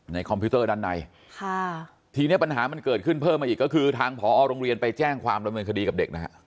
คอมพิวเตอร์ด้านในค่ะทีนี้ปัญหามันเกิดขึ้นเพิ่มมาอีกก็คือทางผอโรงเรียนไปแจ้งความดำเนินคดีกับเด็กนะฮะ